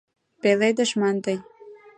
Пеледыш ман тый